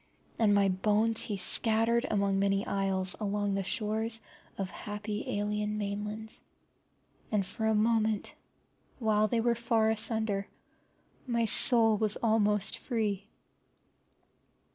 And my bones he scattered among many isles and along the shores of happy alien mainlands. And for a moment, while they were far asunder, my soul was almost free.